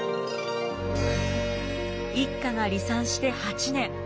一家が離散して８年。